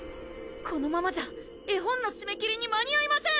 このままじゃ絵本のしめ切りに間に合いません！